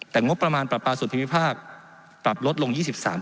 แต่งบประมาณปรับปลาส่วนภูมิภาคปรับลดลง๒๓